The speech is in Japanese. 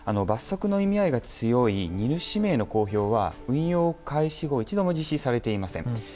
罰則の意味合いが強い荷主名の公表は運用開始後一度も実施されていません。